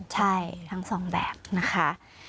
ใช่ทั้งสองแบบนะคะ